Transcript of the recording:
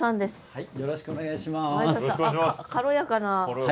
はい。